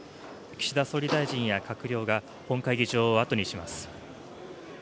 岸田総理大臣や閣僚が、本会議場を後にします。